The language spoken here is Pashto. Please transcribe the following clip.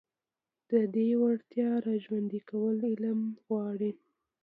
د دې وړتيا راژوندي کول علم غواړي.